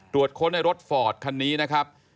ค้นในรถฟอร์ดคันนี้นะครับ